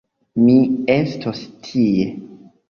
Mi estos tie.